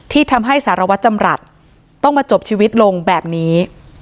ที่ทำให้สารวัตรจำรัฐต้องมาจบชีวิตลงแบบนี้